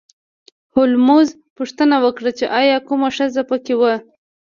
هولمز پوښتنه وکړه چې ایا کومه ښځه په کې وه